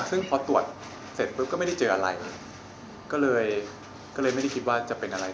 ซึ่งพอตรวจเสร็จปุ๊บก็ไม่ได้เจออะไรก็เลยก็เลยไม่ได้คิดว่าจะเป็นอะไร